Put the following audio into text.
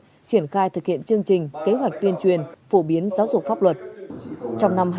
triển khai thực hiện chương trình kế hoạch tuyên truyền phổ biến giáo dục pháp luật